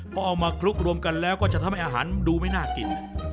พอเอามาคลุกรวมกันแล้วก็จะทำให้อาหารดูไม่น่ากิน